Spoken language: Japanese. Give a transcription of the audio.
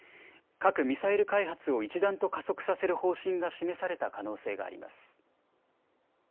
核・ミサイル開発を一段と加速させる方針が示された可能性があります。